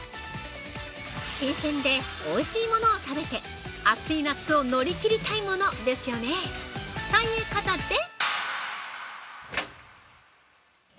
新鮮で美味しいものを食べて、暑い夏を乗り切りたいものですね！ということで！